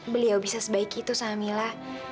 beliau bisa sebaik itu sama mila